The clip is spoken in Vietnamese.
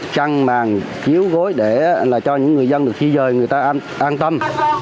vàng chiếu gối để cho những người dân được di dời người ta an tâm